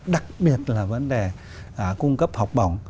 đặc biệt là vấn đề cung cấp học bổng